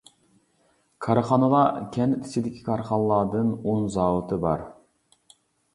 كارخانىلار كەنت ئىچىدىكى كارخانىلاردىن ئۇن زاۋۇتى بار.